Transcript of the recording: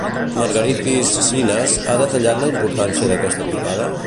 Margaritis Schinas ha detallat la importància d'aquesta trucada?